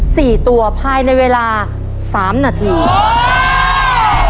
ครอบครัวของแม่ปุ้ยจังหวัดสะแก้วนะครับ